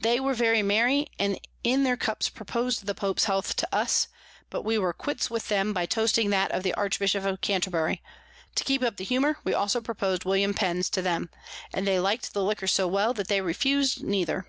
They were very merry, and in their Cups propos'd the Pope's Health to us; but we were quits with 'em, by toasting that of the Archbishop of Canterbury: to keep up the Humour, we also propos'd William Pen's to them; and they lik'd the Liquor so well, that they refus'd neither.